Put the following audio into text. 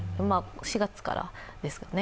４月からですかね。